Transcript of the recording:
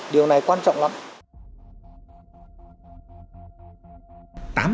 điều này quan trọng lắm